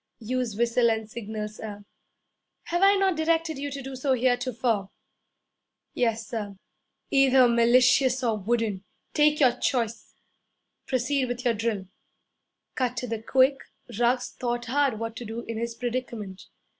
'Use whistle and signal, sir.' 'Have I not directed you to do so heretofore?' 'Yes, sir.' 'Either malicious or wooden take your choice! Proceed with your drill.' Cut to the quick, Ruggs thought hard what to do in his predicament.